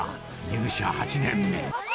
入社８年目。